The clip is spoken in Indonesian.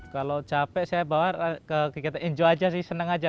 kalau capek saya bawa ke kgt injo aja sih seneng aja